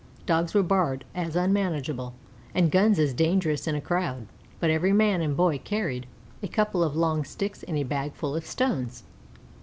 Dogs were barred as unmanageable, and guns as dangerous in a crowd; but every man and boy carried a couple of long sticks and a bag full of stones.